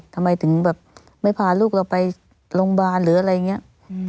ทำไมถึงแบบไม่พาลูกเราไปโรงพยาบาลหรืออะไรอย่างนี้